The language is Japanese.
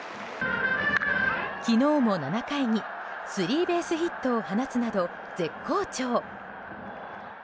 昨日も７回にスリーベースヒットを放つなど絶好調。